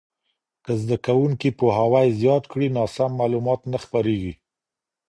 که زده کوونکي پوهاوی زیات کړي، ناسم معلومات نه خپرېږي.